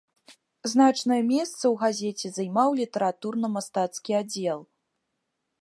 Значнае месца ў газеце займаў літаратурна-мастацкі аддзел.